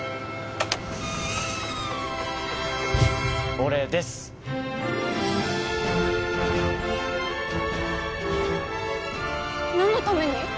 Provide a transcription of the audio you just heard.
俺です何のために？